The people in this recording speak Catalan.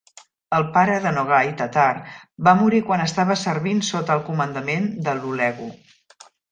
El pare de Nogai, Tatar, va morir quan estava servint sota el comandament de Hulegu.